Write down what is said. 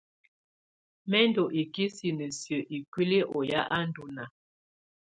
Mɛ̀ ndù ikisinǝ siǝ́ ikuili ɔ ya á ndù naa.